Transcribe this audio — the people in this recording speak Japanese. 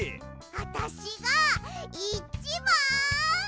あたしが１ばん！